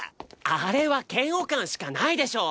あれは嫌悪感しかないでしょう。